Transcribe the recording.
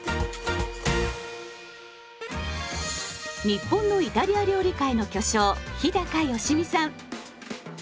日本のイタリア料理界の巨匠日良実さん。